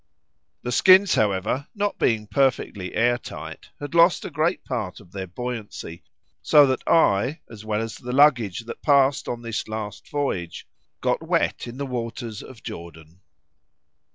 The skins, however, not being perfectly air tight, had lost a great part of their buoyancy, so that I, as well as the luggage that passed on this last voyage, got wet in the waters of Jordan.